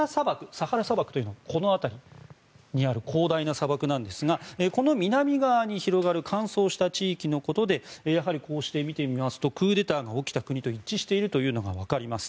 サハラ砂漠というのはこの辺りにある広大な砂漠なんですがこの南側に広がる乾燥した地域のことでこうして見てみますとクーデターが起きた国と一致していることがわかります。